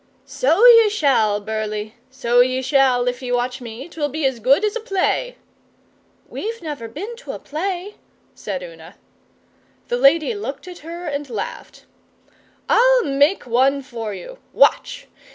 'So ye shall, Burleigh. So ye shall, if ye watch me. 'Twill be as good as a play.' 'We've never been to a play,' said Una. The lady looked at her and laughed. 'I'll make one for you. Watch!